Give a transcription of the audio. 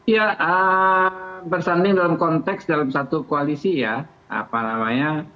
ya bersanding dalam konteks dalam satu koalisi ya